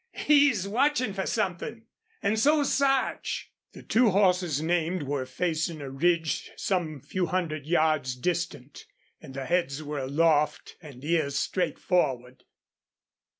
He's watchin' fer somethin'.... An' so's Sarch." The two horses named were facing a ridge some few hundred yards distant, and their heads were aloft and ears straight forward.